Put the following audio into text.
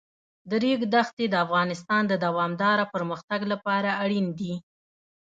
د ریګ دښتې د افغانستان د دوامداره پرمختګ لپاره اړین دي.